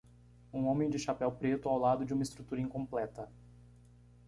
Um homem de chapéu preto ao lado de uma estrutura incompleta.